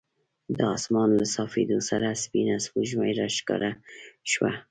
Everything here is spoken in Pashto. د اسمان له صافېدو سره سپینه سپوږمۍ راښکاره شوه.